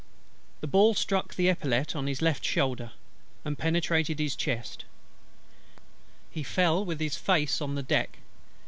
The ball struck the epaulette on his left shoulder, and penetrated his chest. He fell with his face on the deck.